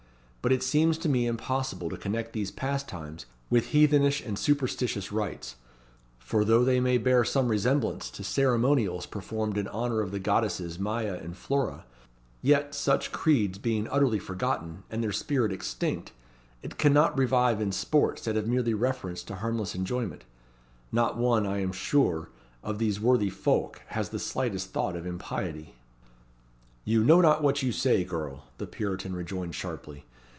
But it seems to me impossible to connect these pastimes with heathenish and superstitious rites; for though they may bear some resemblance to ceremonials performed in honour of the goddesses Maia and Flora, yet, such creeds being utterly forgotten, and their spirit extinct, it cannot revive in sports that have merely reference to harmless enjoyment. Not one, I am sure, of these worthy folk has the slightest thought of impiety." "You know not what you say, girl," the Puritan rejoined sharply.